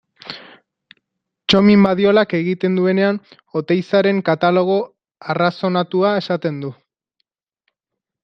Txomin Badiolak egiten duenean Oteizaren katalogo arrazonatua esaten du.